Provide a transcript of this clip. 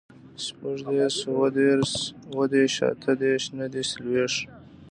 شپوږدېرش, اوهدېرش, اتهدېرش, نهدېرش, څلوېښت